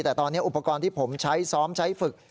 แต่ตอนนี้อุปกรณ์ที่ผมใช้ซ้อมใช้ฝึก